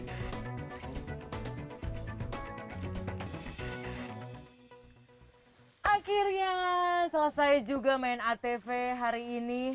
akhirnya selesai juga main atv hari ini